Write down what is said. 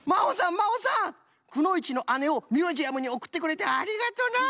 まおさん「くのいちの姉」をミュージアムにおくってくれてありがとな！